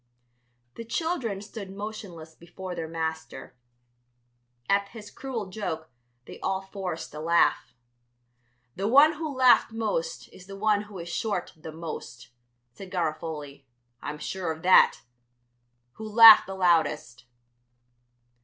The children stood motionless before their master. At his cruel joke they all forced a laugh. "The one who laughed most is the one who is short the most," said Garofoli; "I'm sure of that. Who laughed the loudest?"